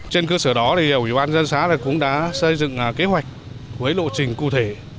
trên cơ sở đó thì ủy ban dân xã cũng đã xây dựng kế hoạch với lộ trình cụ thể